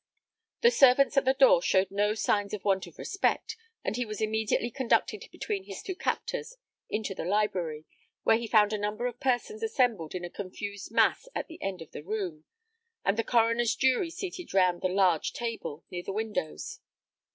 The servants at the door showed no signs of want of respect, and he was immediately conducted between his two captors into the library, where he found a number of persons assembled in a confused mass at the end of the room, and the coroner's jury seated round the large table, near the windows.